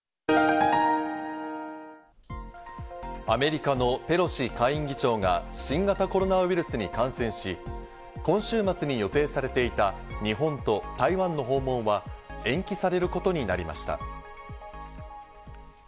アメリカのペロシ下院議長が新型コロナウイルスに感染し、今週末に予定されていた日本と台湾の訪問は、延期されることになりました。